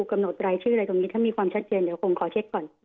กำหนดรายชื่ออะไรตรงนี้ถ้ามีความชัดเจนเดี๋ยวคงขอเช็คก่อน